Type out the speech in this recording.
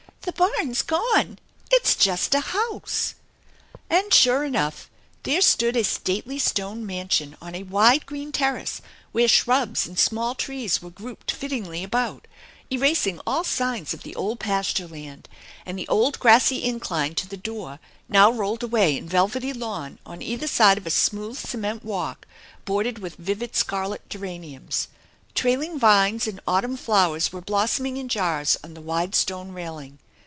" The barn's gone ! It's just a house !" And, sure enough, there stood a stately stone mansion on a wide green terrace, where shrubs and small trees were grouped fittingly about, erasing all signs of the old pasture land ; and the old grassy incline to the door now rolled away in velvety lawn on either side of a smooth cement walk bordered with vivid scarlet geraniums. Trailing vines and autumn flowers were blossoming in jars on the wide stone railing.